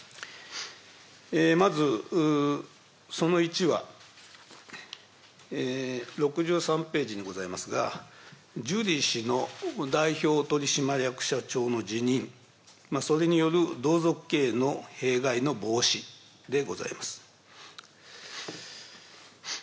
まず、その１は、６３ページにございますが、ジュリー氏の代表取締役社長の辞任、それによる同族経営の弊害の防止でございます。